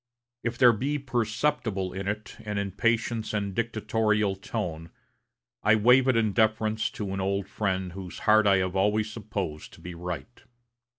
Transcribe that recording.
If there be perceptible in it an impatient and dictatorial tone, I waive it in deference to an old friend whose heart I have always supposed to be right.